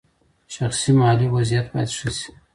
شخصي مالي وضعیت باید ښه شي.